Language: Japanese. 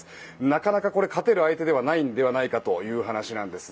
なかなか勝てる相手ではないのではないかという話なんです。